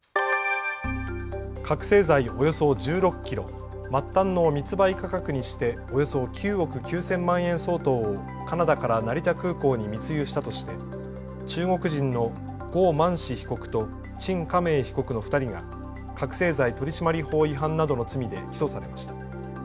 覚醒剤およそ１６キロ、末端の密売価格にしておよそ９億９０００万円相当をカナダから成田空港に密輸したとして中国人の呉曼芝被告と陳家明被告の２人が覚醒剤取締法違反などの罪で起訴されました。